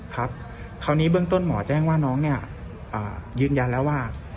ครับคราวนี้เบื้องต้นหมอแจ้งว่าน้องเนี่ยยืนยันแล้วว่า